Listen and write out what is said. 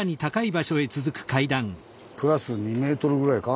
プラス２ｍぐらいか？